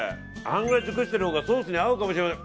案外熟してるほうがソースに合うかもしれません。